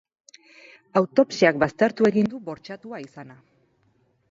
Autopsiak baztertu egin du bortxatua izana.